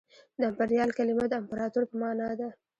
د امپریال کلمه د امپراطور په مانا ده